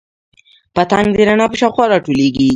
پتنګ د رڼا په شاوخوا راټولیږي